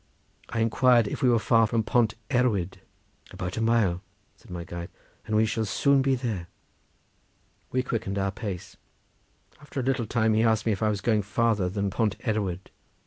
I inquired if we were far from Pont Erwyd. "About a mile," said my guide; "we shall soon be there." We quickened our pace. After a little time he asked me if I was going farther than Pont Erwyd.